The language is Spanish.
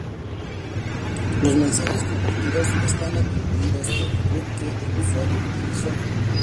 Los mensajes compartidos están atribuidos por el bot que el usuario utilizó.